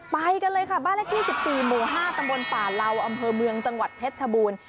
ไปกันเลยค่ะบ้านเลขที่๑๔หมู่๕ตำบลป่าเหล่าอำเภอเมืองจังหวัดเพชรชบูรณ์